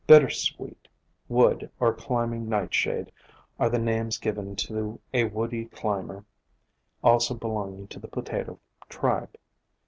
Bittersweet, Wood, or Climb ing Nightshade are the names given to a woody climber, also belonging to the Potato tribe.